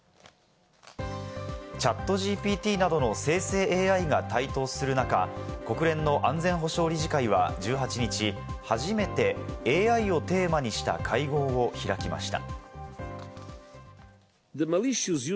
ＣｈａｔＧＰＴなどの生成ＡＩが台頭する中、国連の安全保障理事会は１８日、初めてＡＩをテーマにした会合を開きました。